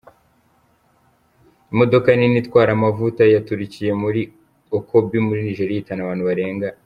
Imodoka nini itwara amavuta yaturikiye muri Okobie muri Nigeria ihitana abantu barenga .